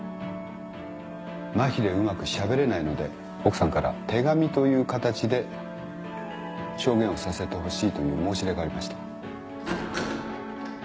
まひでうまくしゃべれないので奥さんから手紙という形で証言をさせてほしいという申し出がありました。